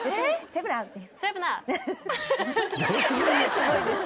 すごいです。